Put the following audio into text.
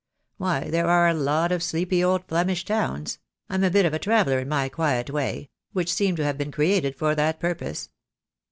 Why, there are a lot of sleepy old Flemish towns — I'm a bit of a traveller in my quiet way —which seem to have been created for that purpose."